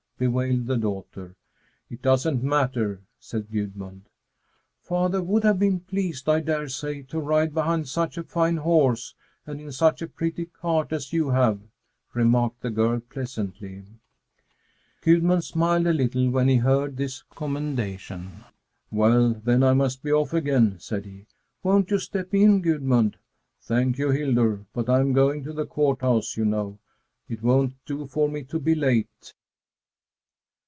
bewailed the daughter. "It doesn't matter," said Gudmund. "Father would have been pleased, I dare say, to ride behind such a fine horse and in such a pretty cart as you have," remarked the girl pleasantly. Gudmund smiled a little when he heard this commendation. "Well, then, I must be off again," said he. "Won't you step in, Gudmund?" "Thank you, Hildur, but I'm going to the Court House, you know. It won't do for me to be late."